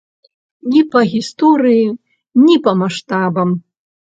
Не па гісторыі, не па маштабам.